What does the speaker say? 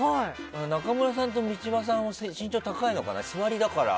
中村さんと道場さんは身長高いのかな、座りだから。